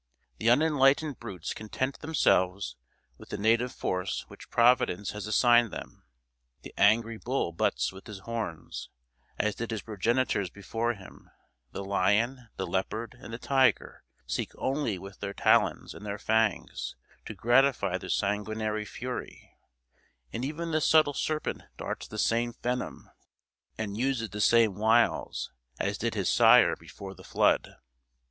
The unenlightened brutes content themselves with the native force which Providence has assigned them. The angry bull butts with his horns, as did his progenitors before him; the lion, the leopard, and the tiger, seek only with their talons and their fangs to gratify their sanguinary fury; and even the subtle serpent darts the same venom, and uses the same wiles, as did his sire before the flood.